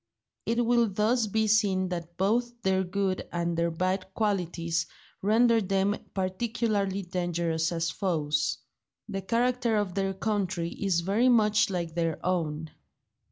It will thus be seen that both their good and their bad qualities render them particularly dangerous as foes. The character of their country is very much like their own.